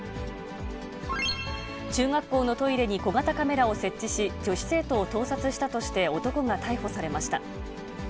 中学校のトイレに小型カメラを設置し、女子生徒を盗撮したとして、男が逮捕されました。